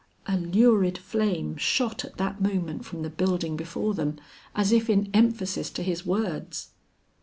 A lurid flame shot at that moment from the building before them, as if in emphasis to his words.